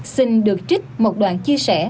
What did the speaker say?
xin được trích một đoàn chia sẻ